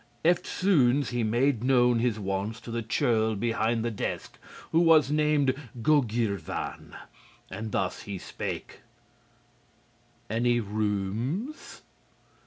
Eftsoons he made known his wants to the churl behind the desk, who was named Gogyrvan. And thus he spake: "Any rooms?"